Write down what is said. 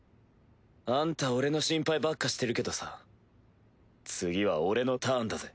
アンタ俺の心配ばっかしてるけどさ次は俺のターンだぜ！